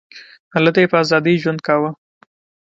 هلته یې په ازادۍ ژوند کاوه.